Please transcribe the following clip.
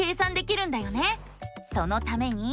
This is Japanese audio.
そのために。